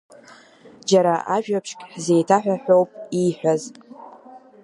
Џьара ажәабжьк ҳзеиҭаҳәа ҳәоуп ииҳәаз.